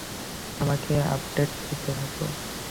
আমাকে আপডেট দিতে থেকো।